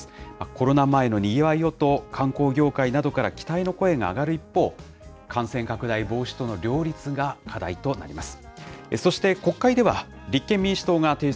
コロナ前のにぎわいをと、観光業界などから期待の声が上がる一方、感染拡大防止との両立が課題となります。